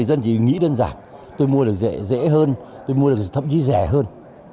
giả tôi mua được dễ hơn tôi mua được thậm chí rẻ hơn